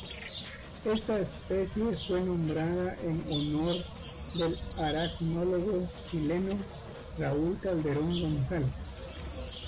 Esta especie fue nombrada en honor del aracnólogo chileno Raúl Calderón González.